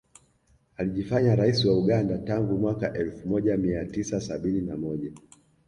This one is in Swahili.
Alijifanya rais wa Uganda tangu mwaka elfu moja mia tisa sabini na moja